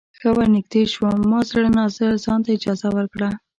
ښه ورنږدې شوم ما زړه نا زړه ځانته اجازه ورکړه.